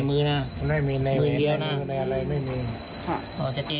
ไม่ได้